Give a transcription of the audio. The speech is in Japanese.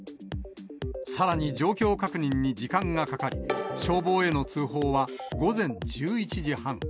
さらに状況確認に時間がかかり、消防への通報は午前１１時半。